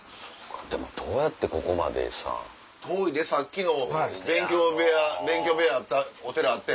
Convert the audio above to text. でもどうやってここまでさ。遠いでさっきの勉強部屋勉強部屋あったお寺あったやん。